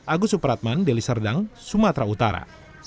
agus supratman deli serdang sumatera utara